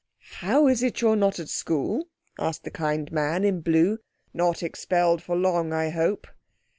"How is it you're not at school?" asked the kind man in blue. "Not expelled for long I hope?"